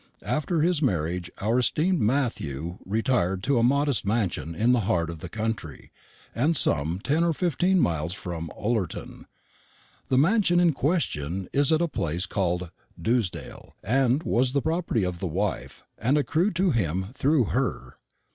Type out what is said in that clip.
After his marriage, our esteemed Matthew retired to a modest mansion in the heart of the country, and some ten or fifteen miles from Ullerton. The mansion in question is at a place called Dewsdale, and was the property of the wife, and accrued to him through her.